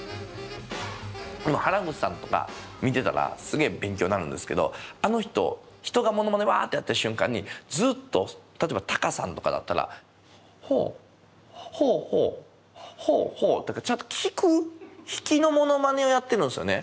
原口さんとかを見てたらすげえ勉強なるんですけどあの人人がモノマネワッてやってる瞬間にずっと例えばタカさんとかだったら「ほうほうほうほうほう」とかちゃんと聞く引きのモノマネをやってるんですよね。